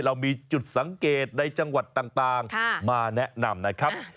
เรามีจุดสังเกตในจังหวัดต่างมาแนะนำนะครับ